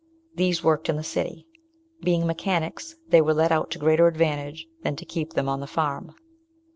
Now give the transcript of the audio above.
These worked in the city. Being mechanics, they were let out to greater advantage than to keep them on the farm.